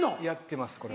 やってます